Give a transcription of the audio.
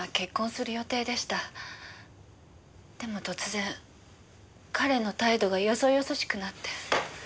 でも突然彼の態度がよそよそしくなって。